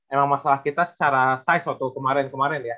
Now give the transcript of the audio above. emang masalah kita secara size waktu kemaren kemaren ya